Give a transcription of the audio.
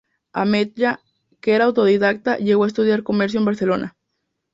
Ametlla, que era autodidacta, llegó a estudiar comercio en Barcelona.